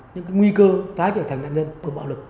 những nguy cơ tái trở thành nạn nhân bởi bạo lực